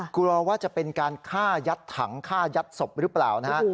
กลัวว่าจะเป็นการฆ่ายัดถังฆ่ายัดศพหรือเปล่านะฮะ